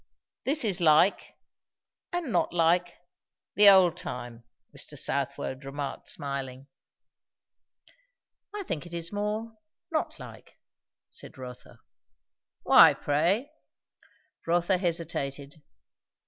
"This is like and not like the old time," Mr. Southwode remarked smiling. "I think it is more 'not like,'" said Rotha. "Why, pray?" Rotha hesitated.